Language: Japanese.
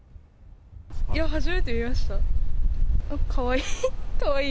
いや、初めて見ました。